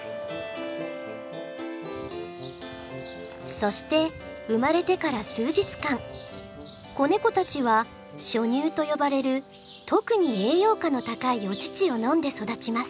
そして生まれてから数日間子ネコたちは初乳と呼ばれる特に栄養価の高いお乳を飲んで育ちます。